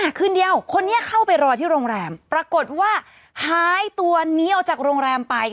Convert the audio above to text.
คืนเดียวคนนี้เข้าไปรอที่โรงแรมปรากฏว่าหายตัวนี้ออกจากโรงแรมไป